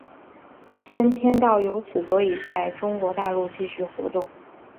先天道由此得以在中国大陆继续活动。